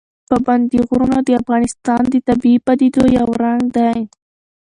پابندي غرونه د افغانستان د طبیعي پدیدو یو رنګ دی.